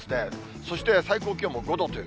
そして最高気温も５度という。